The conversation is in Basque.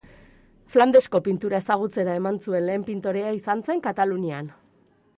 Flandesko pintura ezagutzera eman zuen lehen pintorea izan zen Katalunian.